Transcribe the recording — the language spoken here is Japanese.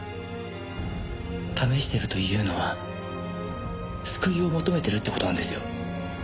試してるというのは救いを求めてるって事なんですよ。